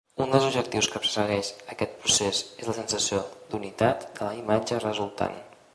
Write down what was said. Un dels objectius que persegueix aquest procés és la sensació d'unitat de la imatge resultant.